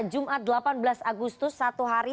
jumat delapan belas agustus satu hari